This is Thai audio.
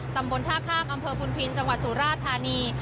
ตำบลท่าข้ามอำเภอพุนพินจังหวัดสุราธานี